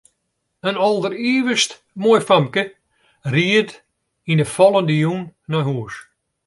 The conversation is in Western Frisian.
In alderivichst moai famke ried yn 'e fallende jûn nei hûs.